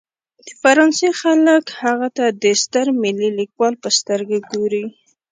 د فرانسې خلک هغه ته د ستر ملي لیکوال په سترګه ګوري.